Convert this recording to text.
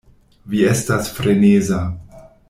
Vi estas freneza!